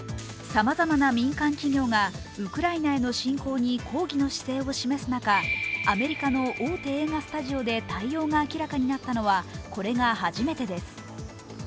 さまざまな民間企業がウクライナへの侵攻に抗議の姿勢を示す中、アメリカの大手映画スタジオで対応が明らかになったのはこれが初めてです。